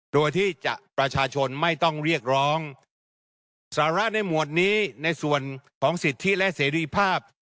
โดยที่จะประชาชนไม่ต้องเรียกร้องสาระในหมวดนี้ในส่วนของสิทธิและเสรีภาพ